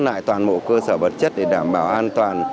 học sinh tự mang lại toàn bộ cơ sở vật chất để đảm bảo an toàn